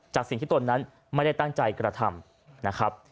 จากสิ่งที่ตนนั้นไม่ได้ตั้งใจกระทำนะครับ